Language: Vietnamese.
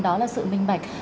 đó là sự minh mạnh